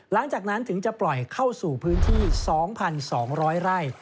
หลังจากนั้นถึงจะปล่อยเข้าสู่พื้นที่๒๒๐๐ไร่